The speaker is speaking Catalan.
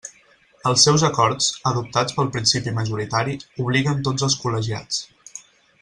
Els seus acords, adoptats pel principi majoritari, obliguen tots els col·legiats.